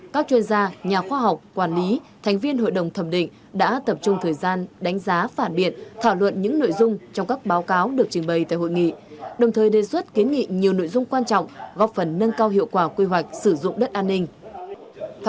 các chuyên gia nhà khoa học quản lý thành viên hội đồng thẩm định đã tập trung thời gian đánh giá phản biện thảo luận những nội dung trong các báo cáo được trình bày tại hội nghị đồng thời đề xuất kiến nghị nhiều nội dung quan trọng góp phần nâng cao hiệu quả quy hoạch sử dụng đất an ninh